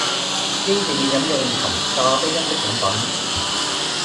應避免飲用含咖啡因的飲品